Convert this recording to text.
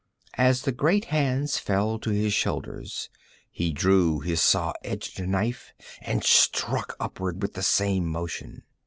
As the great hands fell to his shoulders, he drew his saw edged knife and struck upward with the same motion.